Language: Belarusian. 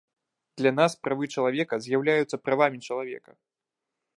Для нас правы чалавека з'яўляюцца правамі чалавека.